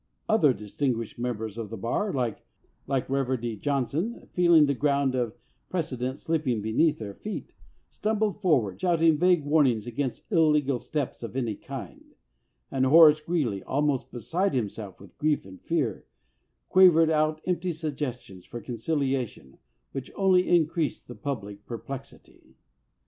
Other distinguished members of the bar, like Reverdy Johnson, feeling the ground of pre cedent slipping beneath their feet, stumbled for ward shouting vague warnings against illegal steps of any kind, and Horace Greeley, almost beside himself with grief and fear, quavered out empty suggestions for conciliation which only increased the public perplexity.